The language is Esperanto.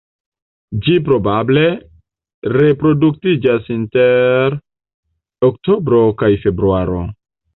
Ĝi probable reproduktiĝas inter oktobro kaj februaro.